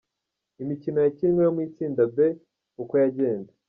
Imikino yakinwe yo mu itsinda B uko yagenze.